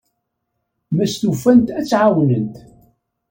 Ma stufant, ad tt-ɛawnent.